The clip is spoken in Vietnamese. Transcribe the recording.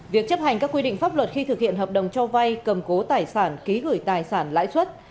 việc chấp hành các quy định pháp luật khi thực hiện hợp đồng cho vay cầm cố tài sản ký gửi tài sản lãi suất